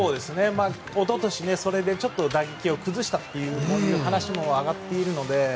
一昨年、それでちょっと打撃を崩したっていう話も上がっているので。